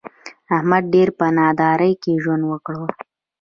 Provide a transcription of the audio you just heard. احمد ډېر په نادارۍ کې ژوند وکړ.